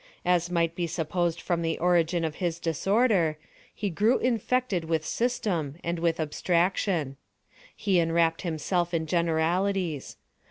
As might be supposed from the origin of his disorder, he grew infected with system, and with abstraction. He enwrapped himself in generalities.